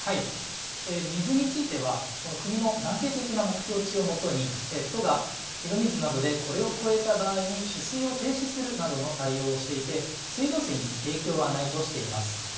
水についてはこの国の暫定的な目標値をもとに都が井戸水などでこれを超えた場合に取水を停止するなどの対応をしていて水道水に影響はないとしています。